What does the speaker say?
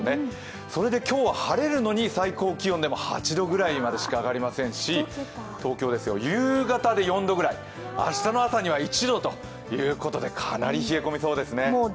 それで今日は晴れるのに最高気温でも８度ぐらいまでしか上がりませんし東京ですと、夕方で４度ぐらい、明日の朝には１度ということでかなり冷え込みそうですね。